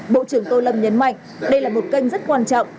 bộ trưởng tô lâm nhấn mạnh đây là một kênh rất quan trọng